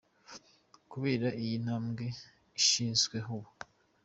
Kubera iki iyi ntambwe ishitsweko ubu? .